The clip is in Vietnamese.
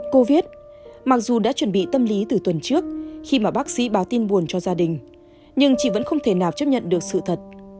covid mặc dù đã chuẩn bị tâm lý từ tuần trước khi mà bác sĩ báo tin buồn cho gia đình nhưng chị vẫn không thể nào chấp nhận được sự thật